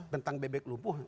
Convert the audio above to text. tentang bebek lumpuh